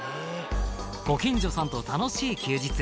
ご近所さんと楽しい休日